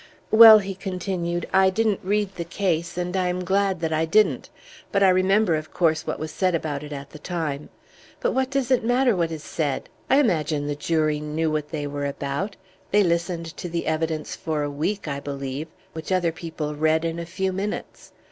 "Well," he continued, "I didn't read the case, and I am glad that I didn't, but I remember, of course, what was said about it at the time. But what does it matter what is said? I imagine the jury knew what they were about; they listened to the evidence for a week, I believe, which other people read in a few minutes.